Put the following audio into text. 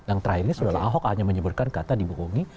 yang terakhir ini saudara ahok hanya menyebutkan kata dibohongi